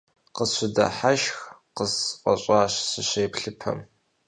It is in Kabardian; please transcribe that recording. Къысщыдыхьэшх къысфӀэщӀащ, сыщеплъыпэм.